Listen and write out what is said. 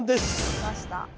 きました！